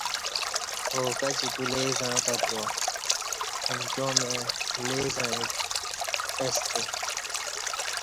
او کچی تو لے زعݩہ تت با امکیا مع لے زعیک ا ستہ